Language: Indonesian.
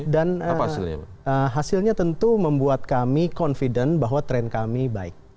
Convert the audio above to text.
dan hasilnya tentu membuat kami confident bahwa tren kami baik